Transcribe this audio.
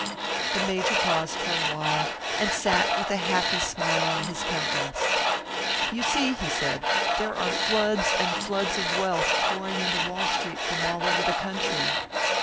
The Major paused for a while, and sat with a happy smile on his countenance. "You see," he said, "there are floods and floods of wealth, pouring into Wall Street from all over the country.